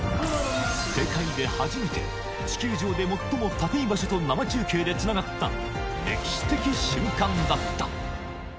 世界で初めて、地球上で最も高い場所と生中継でつながった、歴史的瞬間だった。